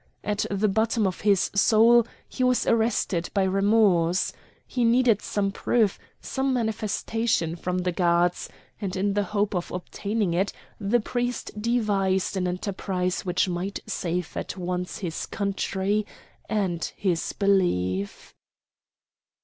At the bottom of his soul he was arrested by remorse. He needed some proof, some manifestation from the gods, and in the hope of obtaining it the priest devised an enterprise which might save at once his country and his belief.